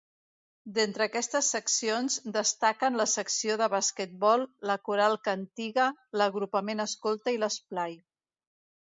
D'entre aquestes seccions, destaquen la secció de basquetbol, la Coral Cantiga, l'agrupament escolta i l'esplai.